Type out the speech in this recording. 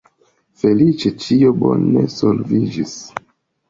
Feliĉe ĉio bone solviĝis.